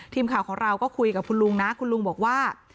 ทีมข่าวของเราก็คุยกับคุณลุงนะคุณลุงบอกว่า